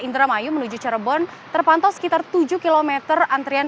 indramayu menuju cirebon terpantau sekitar tujuh km antrian